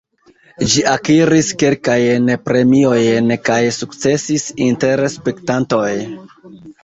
Ĝi akiris kelkajn premiojn kaj sukcesis inter spektantoj.